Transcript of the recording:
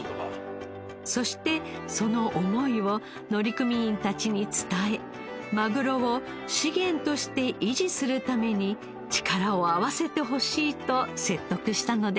そしてその思いを乗組員たちに伝えマグロを資源として維持するために力を合わせてほしいと説得したのです。